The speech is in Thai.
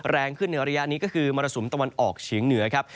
แรงขึ้นในระยะนี้ก็คือมรสุมตะวันออกเฉียงเหนือครับ